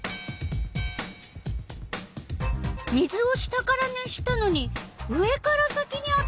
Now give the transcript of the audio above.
水を下から熱したのに上から先にあたたまった。